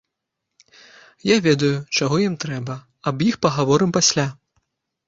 Я ведаю, чаго ім трэба, аб іх пагаворым пасля.